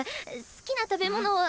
好きな食べ物は。